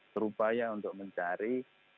terupaya untuk mencari